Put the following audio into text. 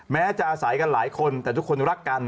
แม้จะอาศัยกันหลายคนแต่ทุกคนรักกัน